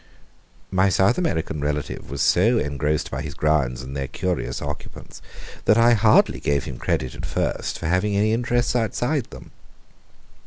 My South American relative was so engrossed by his grounds and their curious occupants, that I hardly gave him credit at first for having any interests outside them.